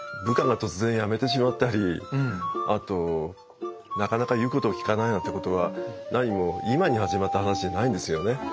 部下が突然辞めてしまったりあとなかなか言うことを聞かないなんてことはなにも今に始まった話じゃないんですよね。